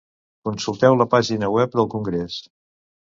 Consulteu la pàgina web del Congrés.